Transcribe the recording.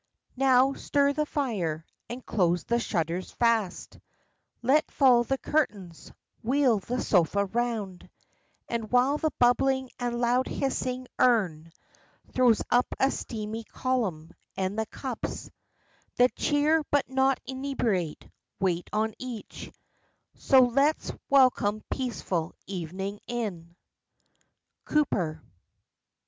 "Now stir the fire, and close the shutters fast, Let fall the curtains, wheel the sofa round; And while the bubbling and loud hissing urn Throws up a steamy column, and the cups, That cheer but not inebriate, wait on each, So let us welcome peaceful evening in." —COWPER.